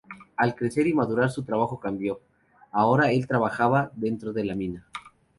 Al crecer y madurar su trabajo cambió, ahora el trabajaba dentro de la mina.